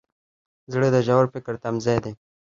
زړه د ژور فکر تمځای دی.